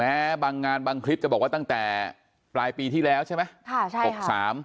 บางงานบางคลิปจะบอกว่าตั้งแต่ปลายปีที่แล้วใช่ไหมค่ะใช่หกสาม